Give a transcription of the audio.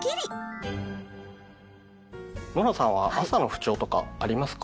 ノラさんは朝の不調とかありますか？